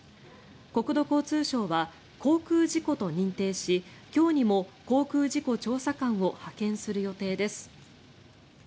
国土交通省は航空事故と認定し今日にも航空事故調査官を派遣する予定です。